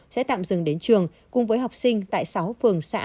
sẽ tạm dừng đến trường cùng với học sinh tại sáu phường xã